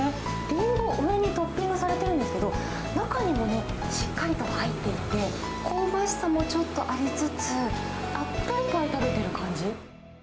リンゴ、上にトッピングされてるんですけど、中にもね、しっかりと入っていて、香ばしさもちょっとありつつ、アップルパイ食べてる感じ。